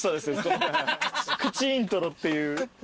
口イントロっていう。